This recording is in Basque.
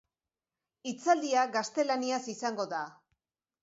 Hitzaldia gaztelaniaz izango da.